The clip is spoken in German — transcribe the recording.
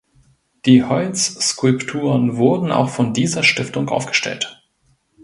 Die Holzskulpturen wurden auch von dieser Stiftung aufgestellt.